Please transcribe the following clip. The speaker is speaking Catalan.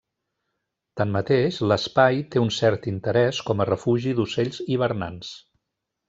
Tanmateix, l’espai té un cert interès com a refugi d’ocells hivernants.